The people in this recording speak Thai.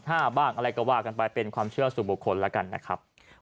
อะไรบ้างอะไรก็ว่ากันไปเป็นความเชื่อสู่บุคคลแล้วกันนะครับ